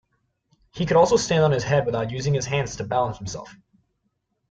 He could also stand on his head without using his hands to balance himself.